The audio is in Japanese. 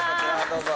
どうぞ。